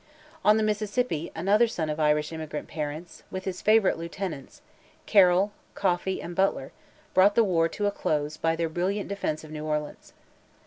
On the Mississippi, another son of Irish emigrant parents, with his favourite lieutenants, Carroll, Coffee, and Butler, brought the war to a close by their brilliant defence of New Orleans.